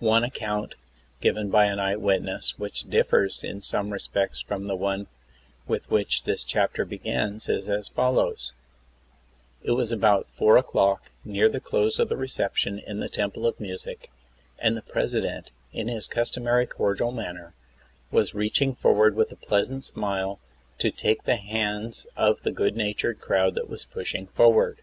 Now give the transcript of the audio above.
One account, given by an eye witness, which differs in THE ASSASSINATION OF PRESIDENT McKINLEY. 39 some respects from the one with which this chapter begins, is as follows: "It was about four o'clock, near the close of the reception in the Temple of Music, and the President, in his customary cordial manner, was reaching forward, with a pleasant smile, to take the hands of the good natured crowd that was pushing forward.